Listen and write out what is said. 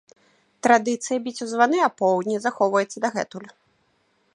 Традыцыя біць у званы апоўдні захоўваецца дагэтуль.